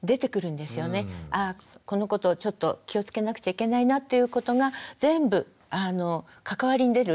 あこのことをちょっと気をつけなくちゃいけないなっていうことが全部関わりに出る。